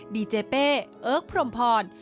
ดีเจเป้เอิร์กพรมพร